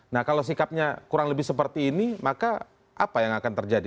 nah kalau sikapnya kurang lebih seperti ini maka apa yang akan terjadi